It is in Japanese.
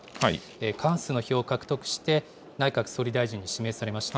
過半数の票を獲得して、内閣総理大臣に指名されました。